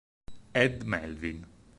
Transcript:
Ed Melvin